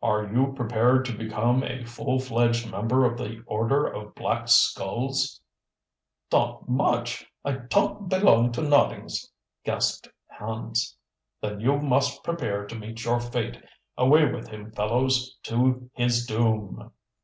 "Are you prepared to become a full fledged member of the Order of Black Skulls." "Not much, I ton't belong to noddings," gasped Hans. "Then you must prepare to meet your fate. Away with him, fellows, to his doom!"